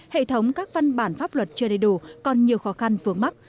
hệ thống các văn bản pháp luật chưa đầy đủ còn nhiều khó khăn vướng mắt